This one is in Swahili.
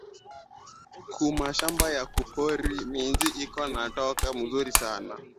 Ku mashamba ya ku pori, minji iko na toka muzuri sana